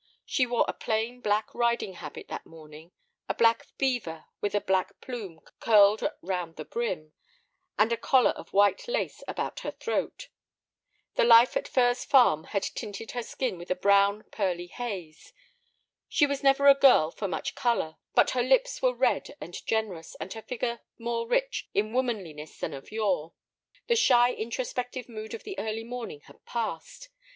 She wore a plain black riding habit that morning, a black beaver with a black plume curled round the brim, and a collar of white lace about her throat. The life at Furze Farm had tinted her skin with a brown, pearly haze. She was never a girl for much color, but her lips were red and generous, and her figure more rich in womanliness than of yore. The shy, introspective mood of the early morning had passed.